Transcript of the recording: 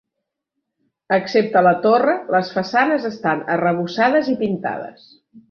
Excepte la torre, les façanes estan arrebossades i pintades.